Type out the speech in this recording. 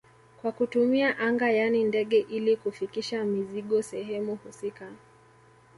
Kwa kutumia anga yani ndege ili kufikisha mizigo sehemu husika